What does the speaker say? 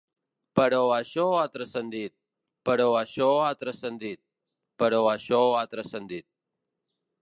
Però això ha transcendit, però això ha transcendit, però això ha transcendit.